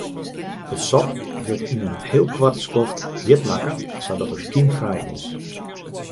It sop wurdt yn in heel koart skoft hjit makke sadat it kymfrij is.